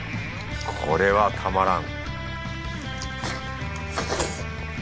これはたまらん